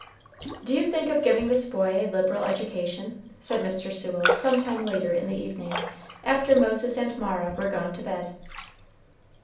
"Do you think of giving this boy a liberal education?" said Mr. Sewell some time later in the evening, after Moses and Mara were gone to bed.